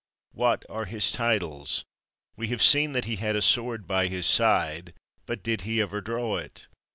What are his titles? We have seen that he had a sword by his side ; but did he ever draw it